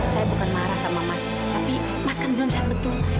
saya bukan marah sama mas tapi mas kan belum sehat betul